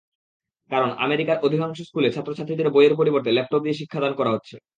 কারণ, আমেরিকার অধিকাংশ স্কুলে ছাত্রছাত্রীদের বইয়ের পরিবর্তে ল্যাপটপ দিয়ে শিক্ষাদান করা হচ্ছে।